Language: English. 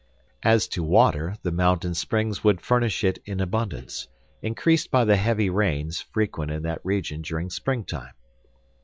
As to water the mountain springs would furnish it in abundance, increased by the heavy rains, frequent in that region during springtime.